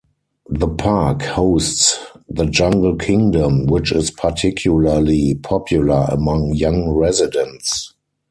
This park hosts "The Jungle Kingdom" which is particularly popular among young residents.